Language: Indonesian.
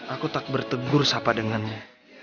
aku tak bertegur sapa dengan lo